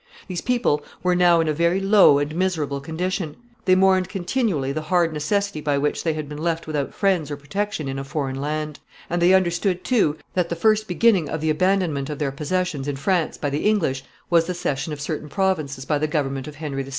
These people were now in a very low and miserable condition. They mourned continually the hard necessity by which they had been left without friends or protection in a foreign land; and they understood, too, that the first beginning of the abandonment of their possessions in France by the English was the cession of certain provinces by the government of Henry VI.